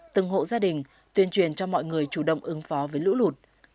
từng hộ gia đình tuyên truyền cho mọi người chủ động ứng phó với lũ lụt